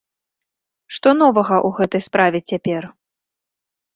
Што новага ў гэтай справе цяпер?